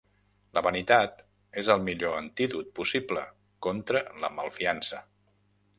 La vanitat és el millor antídot possible contra la malfiança.